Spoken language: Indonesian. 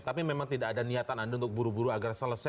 tapi memang tidak ada niatan anda untuk buru buru agar selesai